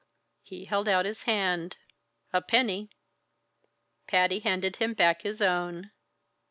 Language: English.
He held out his hand. "A penny." Patty handed him back his own.